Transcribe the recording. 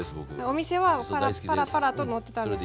お店はパラパラパラとのってたんですけど。